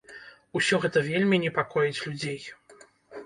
Усё гэта вельмі непакоіць людзей.